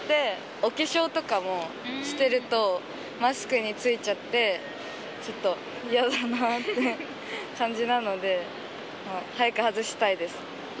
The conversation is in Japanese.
お化粧とかもしてると、マスクについちゃって、ちょっと嫌だなって感じなので、早く外したいです。